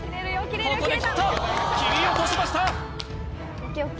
ここで切った切り落としました